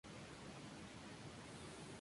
Este accidente no registró víctimas fatales.